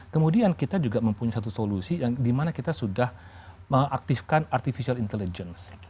kemudian kita juga mempunyai satu solusi yang dimana kita sudah mengaktifkan artificial intelligence